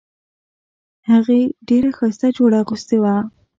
هغې ډیره ښایسته جوړه اغوستې وه